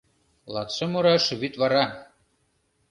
Латшымураш вӱдвара.